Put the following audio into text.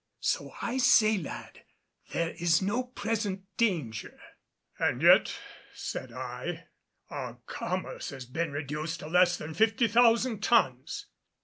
So I say, lad, there is no present danger." "And yet," said I, "our commerce has been reduced to less than fifty thousand tons."